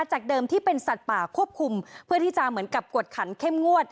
จากเดิมที่เป็นสัตว์ป่าควบคุมเพื่อที่จะเหมือนกับกวดขันเข้มงวด